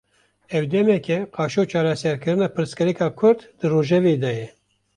Ev demeke, qaşo çareserkirina pirsgirêka Kurd, di rojevê de ye